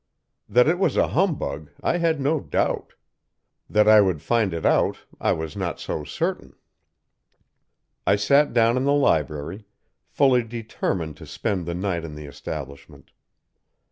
That it was a humbug, I had no doubt; that I would find it out, I was not so certain. "I sat down in the library, fully determined to spend the night in the establishment.